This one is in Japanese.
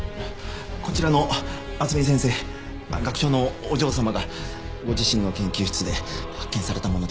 こちらの厚美先生学長のお嬢様がご自身の研究室で発見されたものでして。